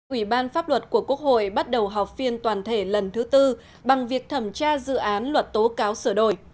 ủy ban pháp luật của quốc hội bắt đầu họp phiên toàn thể lần thứ tư bằng việc thẩm tra dự án luật tố cáo sửa đổi